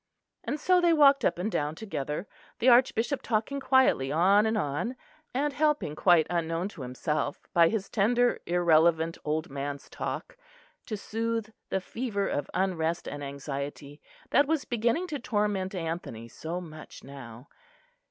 And so they walked up and down together; the Archbishop talking quietly on and on; and helping quite unknown to himself by his tender irrelevant old man's talk to soothe the fever of unrest and anxiety that was beginning to torment Anthony so much now.